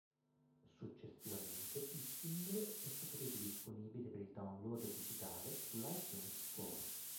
Successivamente il singolo è stato reso disponibile per il download digitale sull'iTunes Store.